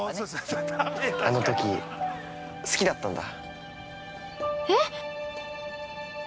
あのとき好きだったんだ。